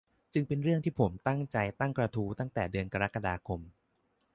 จึงเป็นเรื่องที่ผมตั้งใจตั้งกระทู้ตั้งแต่เดือนกรกฎาคม